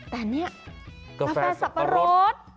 แต่นี่กาแฟสับปะรด